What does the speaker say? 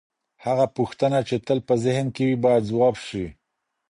هغه پوښتنه چي تل په ذهن کي وي، بايد ځواب سي.